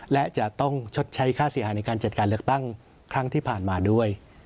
และจะต้องชดใช้ค่าเสียหายในการจัดการเลือกตั้งครั้งที่ผ่านมาด้วย